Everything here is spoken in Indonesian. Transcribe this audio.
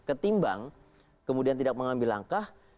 ketimbang kemudian tidak mengambil langkah